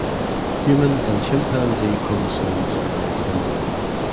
Human and chimpanzee chromosomes are very similar.